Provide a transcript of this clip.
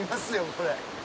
これ。